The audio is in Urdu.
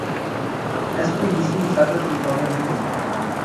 ایس پی، ڈی سی کی طاقت پر مقابلہ نہیں کروں گا